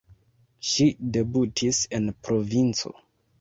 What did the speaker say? Ŝi debutis en provinco.